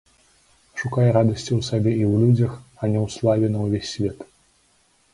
Шукай радасці ў сабе і ў людзях, а не ў славе на ўвесь свет.